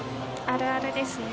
あるあるですね。